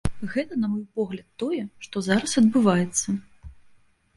Гэта, на мой погляд, тое, што зараз адбываецца.